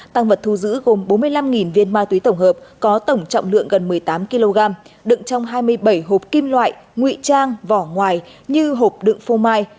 tăng vật thu giữ gồm bốn mươi năm viên ma túy tổng hợp có tổng trọng lượng gần một mươi tám kg đựng trong hai mươi bảy hộp kim loại nguy trang vỏ ngoài như hộp đựng phô mai